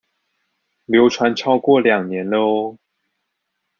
流傳超過兩年了喔